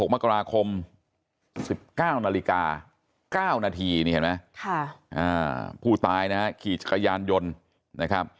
๒๖มกราคม๑๙นาฬิกา๙นาทีผู้ตายขี่จักรยานยนต์นะครับ